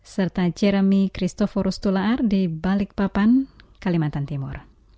serta jeremy christoforus tular di balikpapan kalimantan timur